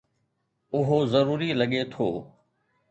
اهو ضروري لڳي ٿو